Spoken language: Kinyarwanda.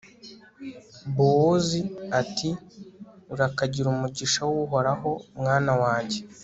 bowozi ati urakagira umugisha w'uhoraho, mwana wanjye